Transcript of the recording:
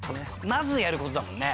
まずやる事だもんね。